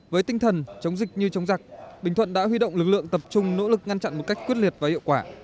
với tinh thần chống dịch như chống giặc bình thuận đã huy động lực lượng tập trung nỗ lực ngăn chặn một cách quyết liệt và hiệu quả